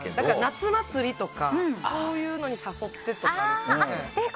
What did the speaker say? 夏祭りとかそういうのに誘ってとかですかね。